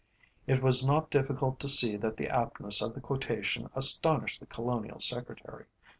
'" It was not difficult to see that the aptness of the quotation astonished the Colonial Secretary.